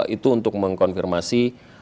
itu untuk mengkonfirmasi